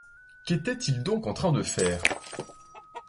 Qu’était-il donc en train de faire?